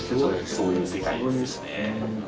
そういう世界ですね。